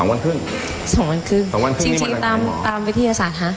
นี่มาทำคำเลยจริงตามวิทยาศาสตร์ฮะ